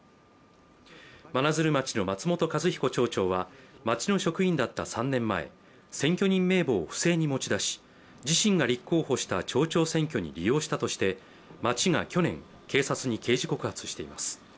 真鶴町の松本一彦町長は町の職員だった３年前、選挙人名簿を不正に持ち出し自身が立候補した町長選挙に利用したとして町が去年、警察に刑事告発しています。